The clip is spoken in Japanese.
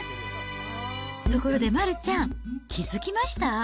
ところで丸ちゃん、気付きました？